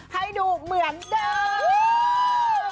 ให้ดูเหมือนเดิม